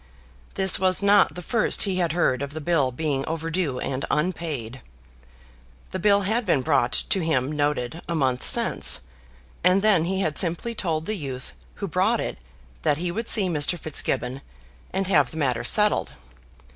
This was not the first he had heard of the bill being overdue and unpaid. The bill had been brought to him noted a month since, and then he had simply told the youth who brought it that he would see Mr. Fitzgibbon and have the matter settled.